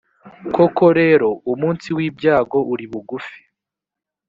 koko rero umunsi w’ibyago uri bugufi.